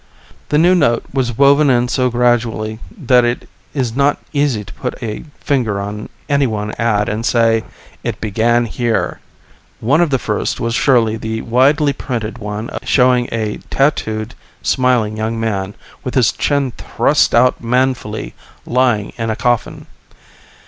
The new note was woven in so gradually that it is not easy to put a finger on any one ad and say, "It began here." One of the first was surely the widely printed one showing a tattooed, smiling young man with his chin thrust out manfully, lying in a coffin.